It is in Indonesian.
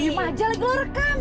limah aja lah gue rekam